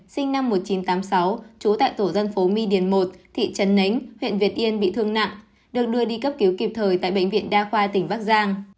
sinh năm một nghìn chín trăm tám mươi sáu trú tại tổ dân phố my điền một thị trấn nánh huyện việt yên bị thương nặng được đưa đi cấp cứu kịp thời tại bệnh viện đa khoa tỉnh bắc giang